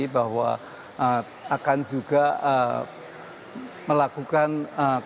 bahwa akan juga melakukan